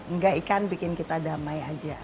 enggak ikan bikin kita damai aja